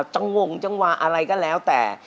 จังหวงจังหวาอะไรก็แล้วแต่